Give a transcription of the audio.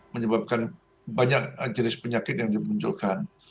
menyebabkan banyak jenis penyakit yang dimunculkan